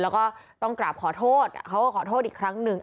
แล้วก็ต้องกราบขอโทษเขาก็ขอโทษอีกครั้งหนึ่ง